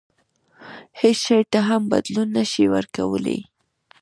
هیڅ شي ته هم بدلون نه شي ورکولای.